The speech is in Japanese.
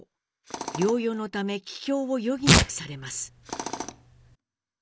療養のため帰郷を余儀なくされます。